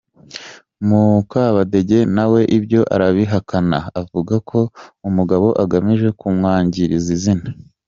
Mukabadege nawe ibyo arabihakana akavuga ko umugabo agamije kumwangiriza izina.